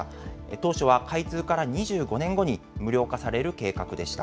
当初は開通から２５年後に無料化される計画でした。